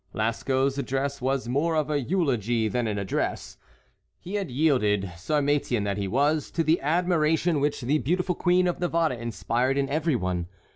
Lascos's address was more of a eulogy than an address. He had yielded, Sarmatian that he was, to the admiration which the beautiful queen of Navarre inspired in every one.